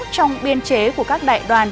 trong biên chế của các đại đoàn